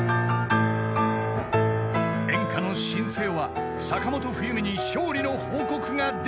［演歌の新星は坂本冬美に勝利の報告ができるか？］